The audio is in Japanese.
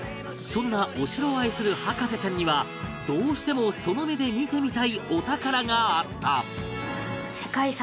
そんなお城を愛する博士ちゃんにはどうしてもその目で見てみたいお宝があった